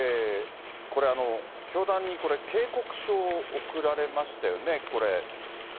教団に警告書を送られましたよね、これ。